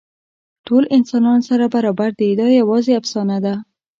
ټول انسانان سره برابر دي، دا یواځې افسانه ده.